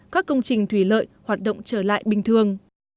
các công trình thủy lợi hoạt động trở lại bình thường